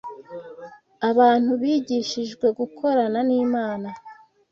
abantu bigishijwe gukorana n’Imana